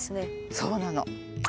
そうなの。